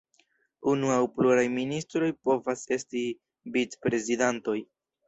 Unu aŭ pluraj ministroj povas esti vic-prezidantoj.